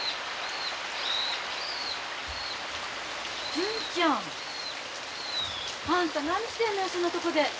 純ちゃん。あんた何してんのやそんなとこで。